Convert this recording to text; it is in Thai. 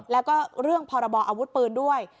แล้วก็เรื่องพรบออาวุธปืนด้วย